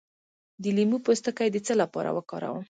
د لیمو پوستکی د څه لپاره وکاروم؟